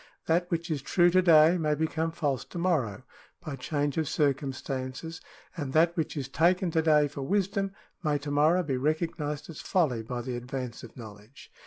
That which is true to day may become false to morrow by change of cir cumstances, and that which is taken to day for wisdom may to morrow be recognised as folly by the advance of know ledge.